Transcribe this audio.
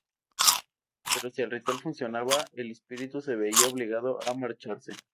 Pero si el ritual funcionaba, el espíritu se vería obligado a marcharse.